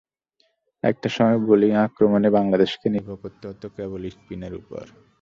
একটা সময় বোলিং আক্রমণে বাংলাদেশকে নির্ভর করতে হতো কেবল স্পিনের ওপর।